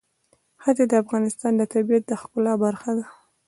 ښتې د افغانستان د طبیعت د ښکلا برخه ده.